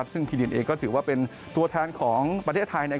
ซึ่งคลินินเองก็ถือว่าเป็นตัวแทนของประเทศไทย